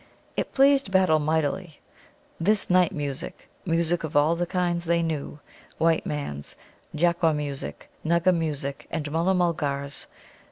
It pleased Battle mightily, this night music music of all the kinds they knew, white man's, Jaqqua music, Nugga music, and Mulla mulgars'.